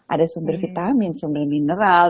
ada sumber vitamin sumber mineral